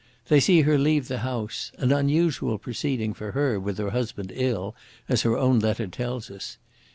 They see her leave the house, an unusual proceeding for her with her husband ill, as her own letter tells us.